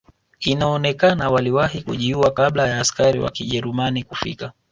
Inaonekana waliwahi kujiua kabla ya askari wa kijerumani kufika